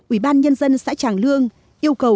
ủy ban nhân dân xã tràng lương yêu cầu công ty viễn đông